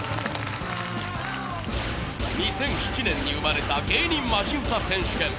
２００７年に生まれた「芸人マジ歌選手権」。